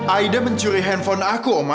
aida mencuri handphone aku